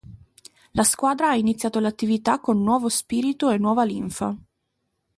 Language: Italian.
La squadra ha iniziato l'attività con nuovo spirito e nuova linfa.